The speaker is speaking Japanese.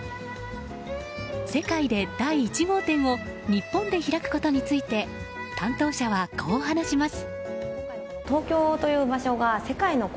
世界で第１号店を日本で開くことについて担当者は、こう話します。